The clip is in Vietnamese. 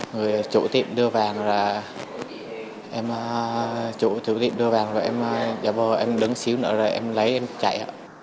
người chủ tiệm đưa vàng rồi em đứng xíu nữa rồi em lấy em chạy